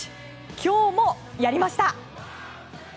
今日もやりました！